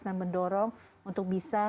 dan mendorong untuk bisa